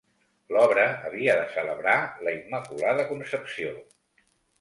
L'obra havia de celebrar la Immaculada Concepció.